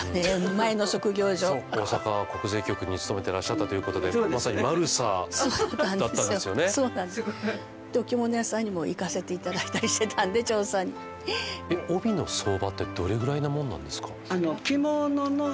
前の職業上大阪国税局に勤めてらっしゃったということでまさにマルサだったんですよねそうなんですお着物屋さんにも行かせていただいたりしてたんで調査に帯の相場ってどれぐらいなもんなんですか？